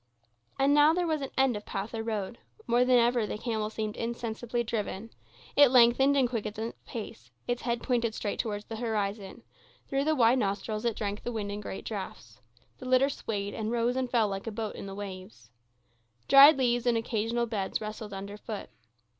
And now there was an end of path or road. More than ever the camel seemed insensibly driven; it lengthened and quickened its pace, its head pointed straight towards the horizon; through the wide nostrils it drank the wind in great draughts. The litter swayed, and rose and fell like a boat in the waves. Dried leaves in occasional beds rustled underfoot.